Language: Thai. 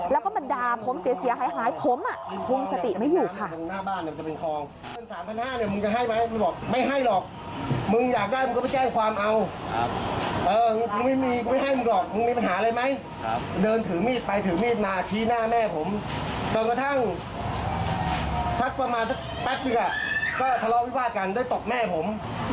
แล้วก็บันดาผมเสียหายผม